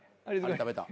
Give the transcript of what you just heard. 食べた。